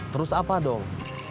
terus apa dong